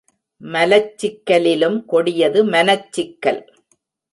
மலச்சிக்கலிலும் கொடியது மனச்சிக்கல்.